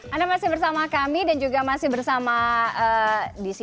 anda masih bersama kami dan juga masih bersama di sini